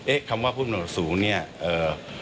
เอ๊ะคำว่าผู้ดำรุงตำแหน่งรับสูงเนี่ย